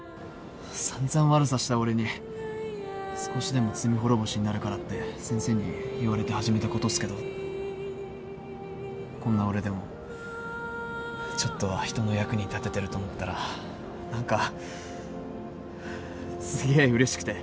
散々悪さした俺に少しでも罪滅ぼしになるからって先生に言われて始めたことっすけどこんな俺でもちょっとは人の役に立ててると思ったら何かすげえうれしくて